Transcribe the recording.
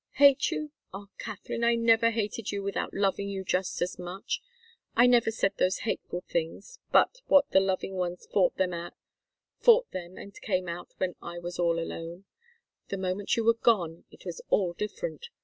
"Hate you! Ah, Katharine I never hated you without loving you just as much. I never said those hateful things but what the loving ones fought them and came out when I was all alone. The moment you were gone, it was all different.